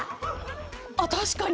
あ確かに。